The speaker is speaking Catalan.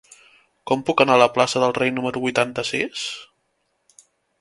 Com puc anar a la plaça del Rei número vuitanta-sis?